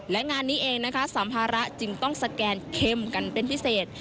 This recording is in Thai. และงานนี้เองนะคะสัมภาระจึงต้องสแกนเข้มกันเป็นพิเศษ